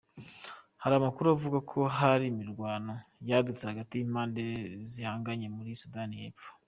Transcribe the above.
Hari amakuru avuga ko hari imirwano yadutse hagati y'impande zihanganye muri Sudani yepfo.